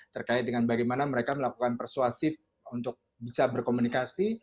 terkait dengan bagaimana mereka melakukan persuasif untuk bisa berkomunikasi